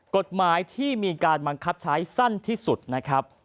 กฎหมายที่มีการบังคับใช้สั้นที่สุดนะครับ